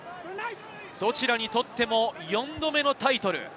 どちらにとっても４度目のタイトル。